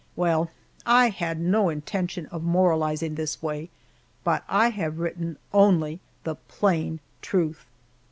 Well! I had no intention of moralizing this way, but I have written only the plain truth.